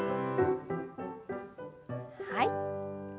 はい。